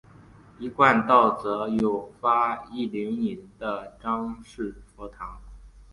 一贯道则有发一灵隐的张氏佛堂。